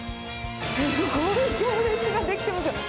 すごい行列が出来てますよ。